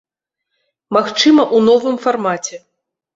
Магчыма, у новым фармаце.